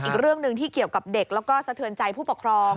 อีกเรื่องหนึ่งที่เกี่ยวกับเด็กแล้วก็สะเทือนใจผู้ปกครอง